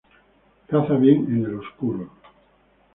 Caza bien en el oscuro.